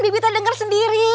bibita dengar sendiri